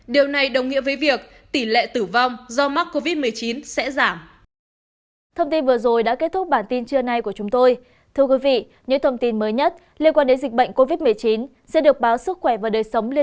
điều này đồng nghĩa với việc tỷ lệ tử vong do mắc covid một mươi chín sẽ giảm